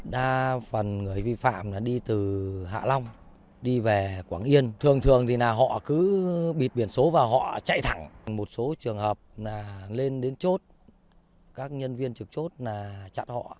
đa phần người vi phạm đi từ hạ long đi về quảng yên thường thường thì họ cứ bịt biển số và họ chạy thẳng một số trường hợp lên đến chốt các nhân viên trực chốt chặn họ